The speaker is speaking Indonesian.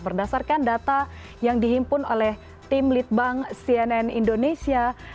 berdasarkan data yang dihimpun oleh tim litbang cnn indonesia